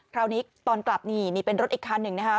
คราวนี้ตอนกลับนี่นี่เป็นรถอีกคันหนึ่งนะคะ